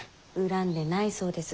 恨んでないそうです。